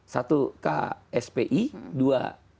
satu kspi dua